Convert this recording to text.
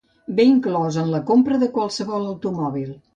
Ve inclòs en la compra de qualsevol automòbil.